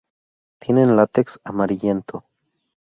Tienen látex amarillento.